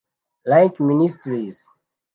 ’Link Ministries’’